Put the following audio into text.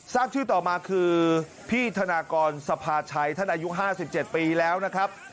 ซักชื่อต่อมาคือพี่ธนากรสภาชัยท่านอายุห้าสิบเจ็ดปีแล้วนะครับ